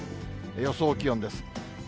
予想気温です。